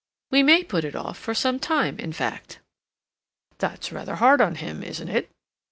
We may put it off for some time in fact." "That's rather hard on him, isn't it?"